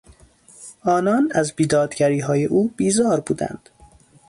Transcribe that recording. آنان از بیدادگریهای او بیزار بودند.